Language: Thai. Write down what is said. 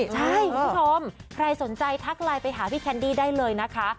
ใช่คุณผู้ชมใครสนใจทักไลน์ไปหาพี่แคนดี้ได้เลยนะคะ